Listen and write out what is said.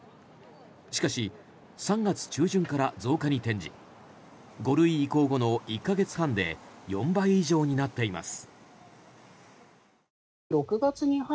しかし、３月中旬から増加に転じ５類移行後の１か月半で４倍以上になっています。